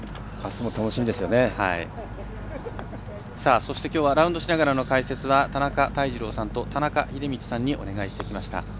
そして、きょうはラウンドしながらの解説は田中泰二郎さんと田中秀道さんにお願いしてきました。